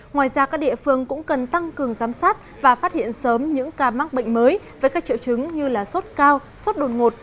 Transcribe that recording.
ngoài ra các địa phương cũng cần tăng cường giám sát và phát hiện sớm những ca mắc bệnh mới với các triệu chứng như sốt cao sốt đột ngột